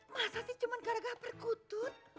masa sih cuma gara gara berkutut